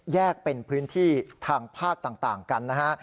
แยกเป็นพื้นที่ทางภาคต่างกันนะฮะ